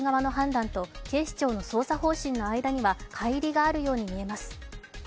大学側の判断と警視庁の捜査方針の間にはかい離があるようにみえます。